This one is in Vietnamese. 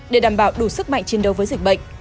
để đảm bảo đủ sức mạnh chiến đấu với dịch bệnh